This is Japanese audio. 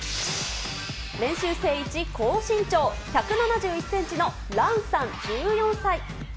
練習生一高身長、１７１センチのランさん１４歳。